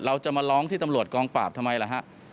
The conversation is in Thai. เราจะมาร้องที่ตำรวจกองปราบทำไมล่ะฮะ